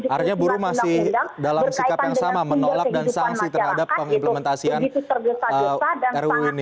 artinya buru masih dalam sikap yang sama menolak dan sangsi terhadap pengimplementasian ru ini